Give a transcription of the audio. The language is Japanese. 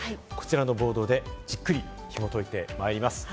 こちらのボードでじっくり紐解いてまいります。